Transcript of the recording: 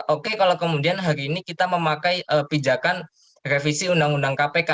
oke kalau kemudian hari ini kita memakai pijakan revisi undang undang kpk